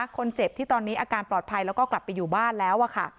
คนเจ็บที่ตอนนี้อาการปลอดภัยแล้วก็กลับไปอยู่บ้านแล้วค่ะ